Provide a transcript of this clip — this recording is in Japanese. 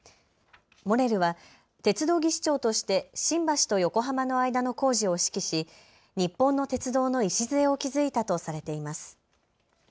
モレルは鉄道技師長として新橋と横浜の間の工事を指揮し日本の鉄道の礎を築いたとされています。